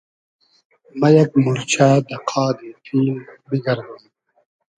مۂ یئگ مورچۂ دۂ قادی پیل بیگئردوم